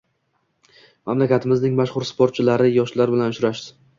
Mamlakatimizning mashhur sportchilari yoshlar bilan uchrashdi